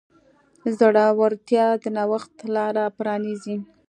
زړورتیا د نوښت لاره پرانیزي.